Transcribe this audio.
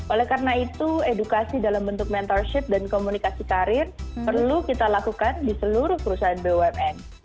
oleh karena itu edukasi dalam bentuk mentorship dan komunikasi karir perlu kita lakukan di seluruh perusahaan bumn